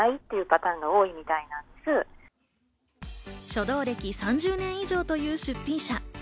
書道歴３０年以上という出品者。